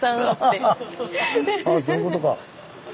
ああそういうことか。